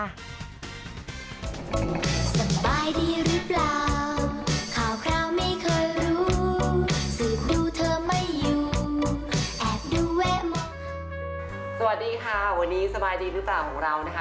สวัสดีค่ะวันนี้สบายดีหรือเปล่าของเรานะคะ